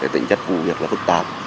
tính chất vụ việc là phức tạp